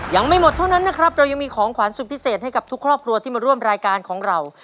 ยังไม่หมดเท่านั้นนะครับเรายังมีของขวานสุดพิเศษให้กับทุกครอบครัวที่มาร่วมรายการของเรา